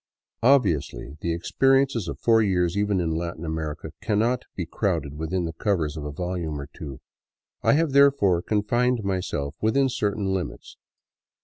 Obviously, the experiences of four years, even in Latin America, cannot be crowded within the covers of a volume or two. I have, therefore, confined myself within certain limits.